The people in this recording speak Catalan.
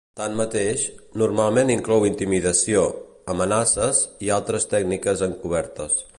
Tanmateix, normalment inclou intimidació, amenaces i altres tècniques encobertes.